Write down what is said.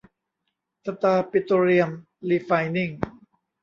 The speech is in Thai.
สตาร์ ปิโตรเลียม รีไฟน์นิ่ง